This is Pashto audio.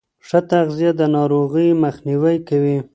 ښه تغذیه د ناروغیو مخنیوی کوي.